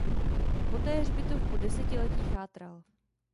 Poté hřbitov po desetiletí chátral.